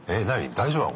大丈夫なの？